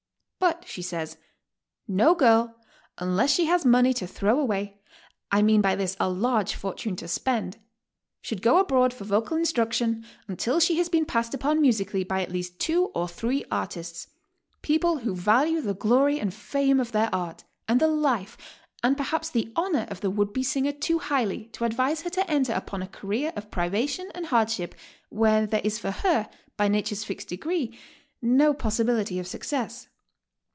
But she says. ''No girl, unless she has money to throw away — I mean by this a large fortune to spend — ^sh*ould go abroa>d for v oical instruction until she 'has been passed upon musically by at least two or three artists, — people w'ho value the glory and fame of their art, and the life, and perhaps the honor of the would be singer too highly to advise her to enter upon a career of privation and hardship w'here there is for her, by Nature's fixed decree, no possibility of success.